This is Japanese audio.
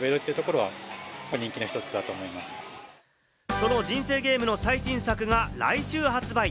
その人生ゲームの最新作が来週発売！